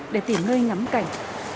để tìm nơi ngắm cảnh